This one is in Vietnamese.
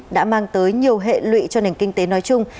đã mang tới nhiều hệ lụy cho nền kinh tế nói chung